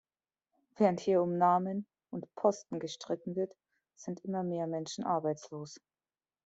Während hier um Namen und Posten gestritten wird, sind immer mehr Menschen arbeitslos.